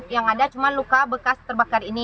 yang ada cuma luka bekas terbakar ini